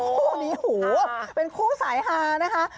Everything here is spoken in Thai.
คู่นี้หูเป็นคู่สายฮานะคะ